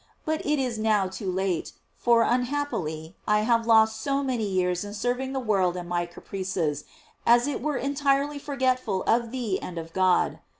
But it is now too late, for, unhappily, I have lost so many years in serving the world and my capri ces, as it were entirely forgetful of thee and of God.